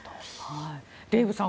デーブさん